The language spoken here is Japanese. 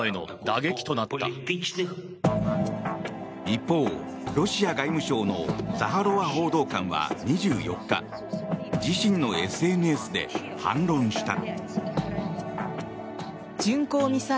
一方、ロシア外務省のザハロワ報道官は２４日自身のＳＮＳで反論した。